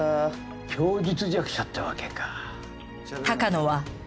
供述弱者ってわけか。